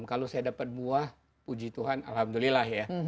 kalau saya dapat buah puji tuhan alhamdulillah ya